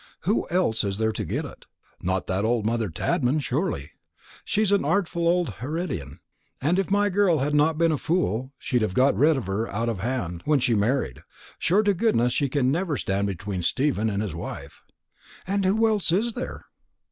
Who else is there to get it? Not that old mother Tadman, surely. She's an artful old harridan; and if my girl had not been a fool, she'd have got rid of her out of hand when she married. Sure to goodness she can never stand between Stephen and his wife. And who else is there?